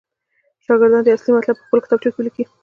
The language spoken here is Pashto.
شاګردان دې اصلي مطلب پخپلو کتابچو کې ولیکي.